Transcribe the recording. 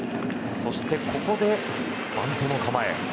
そして、ここでバントの構えです。